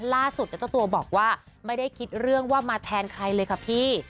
ล่าสุดเจ้าตัวบอกว่าไม่ได้คิดเรื่องว่ามาแทนใครเลยค่ะพี่